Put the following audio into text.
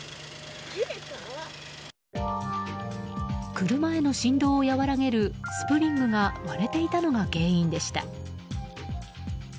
車への振動を和らげるスプリングが割れていたのが原因でした。